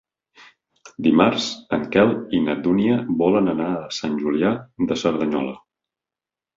Dimarts en Quel i na Dúnia volen anar a Sant Julià de Cerdanyola.